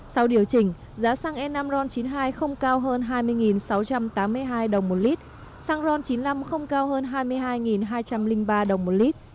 sau điều chỉnh giá xăng e năm ron chín mươi hai không cao hơn hai mươi sáu trăm tám mươi hai đồng một lít xăng ron chín mươi năm không cao hơn hai mươi hai hai trăm linh ba đồng một lít